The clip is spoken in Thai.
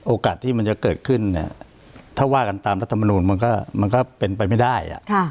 โอกาสที่มันจะเกิดขึ้นเนี่ยถ้าว่ากันตามรัฐมนูลมันก็เป็นไปไม่ได้